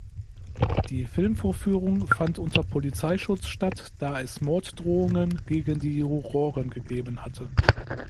Die Filmvorführung fand unter Polizeischutz statt, da es Morddrohungen gegen die Juroren gegeben hatte.